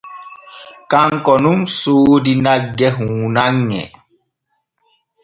Kanko nun soodi nagge huunanŋe.